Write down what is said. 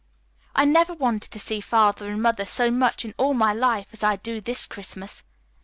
"I never wanted to see Father and Mother so much in all my life as I do this Christmas.